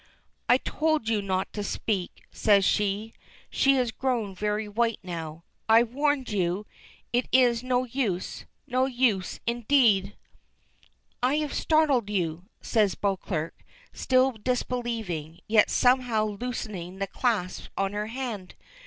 "I told you not to speak," says she. She has grown very white now. "I warned you! It is no use no use, indeed." "I have startled you," says Beauclerk, still disbelieving, yet somehow loosening the clasp on her hand.